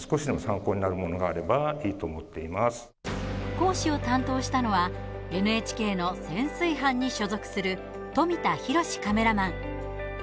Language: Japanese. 講師を担当したのはＮＨＫの潜水班に所属する富田浩司カメラマン。